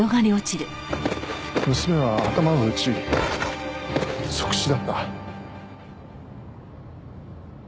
娘は頭を打ち即死だった。